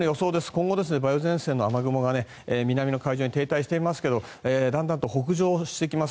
今後梅雨前線の雨雲が南の海上に停滞していますがだんだんと北上してきます。